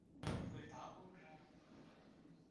你去唔去打波㗎